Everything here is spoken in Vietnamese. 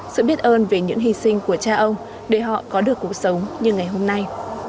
sự biết ơn về những hy sinh của cha ông để họ có được cuộc sống như ngày hôm nay